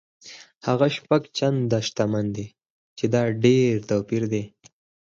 هغه شپږ چنده شتمن دی چې ډېر توپیر دی.